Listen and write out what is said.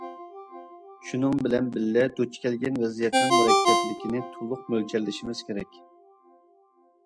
شۇنىڭ بىلەن بىللە، دۇچ كەلگەن ۋەزىيەتنىڭ مۇرەككەپلىكىنى تولۇق مۆلچەرلىشىمىز كېرەك.